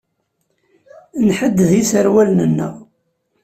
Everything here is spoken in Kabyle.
Nḥedded iserwalen-nneɣ.